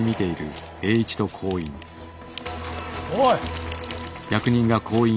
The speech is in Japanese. おい。